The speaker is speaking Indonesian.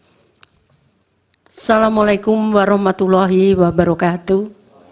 assalamu alaikum warahmatullahi wabarakatuh